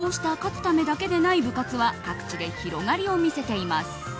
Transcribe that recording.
こうした勝つためだけでない部活は各地で広がりを見せています。